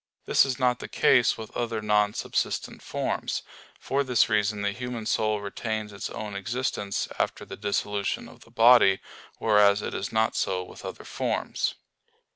This is not the case with other non subsistent forms. For this reason the human soul retains its own existence after the dissolution of the body; whereas it is not so with other forms.